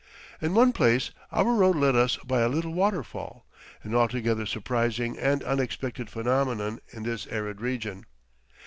In one place our road led us by a little waterfall, an altogether surprising and unexpected phenomenon in this arid region.